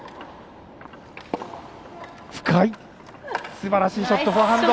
すばらしいショットフォアハンド。